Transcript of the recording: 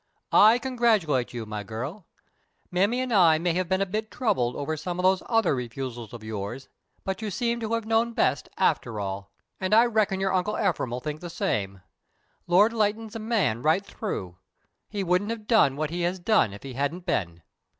"I congratulate you, my girl. Mammy and I may have been a bit troubled over some of those other refusals of yours, but you seem to have known best, after all: and I reckon your Uncle Ephraim'll think the same. Lord Leighton's a man right through. He wouldn't have done what he has done if he hadn't been.